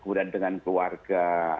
kemudian dengan keluarga